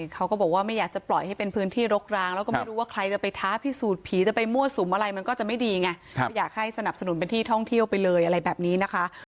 เขาก็บอกว่าไม่อยากจะปล่อยให้เป็นพื้นที่รกร้างแล้วก็ไม่รู้ว่าใครจะไปท้าพิสูจน์ผีจะไปมั่วสุมอะไรมันก็จะไม่ดีไงก็อยากให้สนับสนุนเป็นที่ท่องเที่ยวไปเลยอะไรแบบนี้นะคะ